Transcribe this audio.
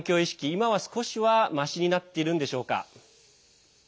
今は少しはましになっているんでしょうか？